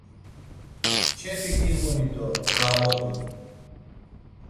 Çefi giğuni do t̆rağodum!